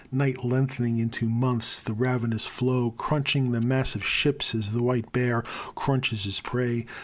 Night lengthening into months, the ravenous floe Crunching the massive ships, as the white bear Crunches his prey.